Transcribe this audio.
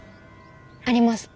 あります